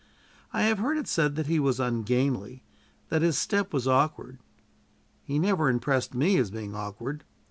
I have heard it said that he was ungainly, that his step was awkward. He never impressed me as being awkward.